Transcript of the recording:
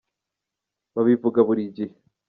babivuga burigihe.